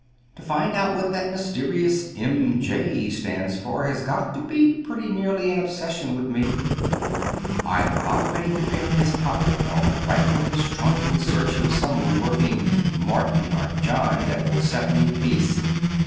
To find out what that mysterious 'M. J.' stands for has got to be pretty nearly an obsession with me. I am about ready to pick his pocket or rifle his trunk in search of some lurking 'Martin' or 'John' that will set me at peace.